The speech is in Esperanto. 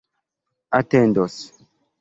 atendos